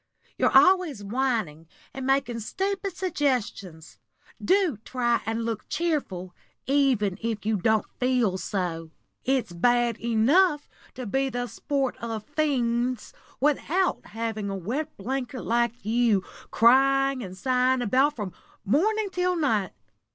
"You're always whining and making stupid suggestions. Do try and look cheerful, even if you don't feel so. It's bad enough to be the sport of fiends without having a wet blanket like you crying and sighing about from morning till night.